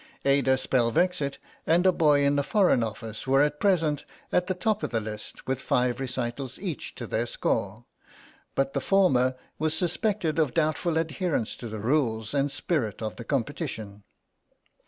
Ada Spelvexit and a boy in the Foreign Office were at present at the top of the list with five recitals each to their score, but the former was suspected of doubtful adherence to the rules and spirit of the competition.